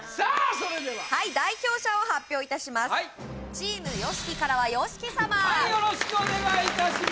それでははい代表者を発表いたしますチームＹＯＳＨＩＫＩからはＹＯＳＨＩＫＩ様はいよろしくお願いいたします